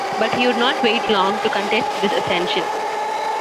But he would not wait long to contest this ascension.